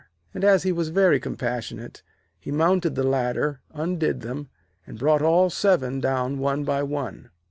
And as he was very compassionate, he mounted the ladder, undid them, and brought all seven down one by one.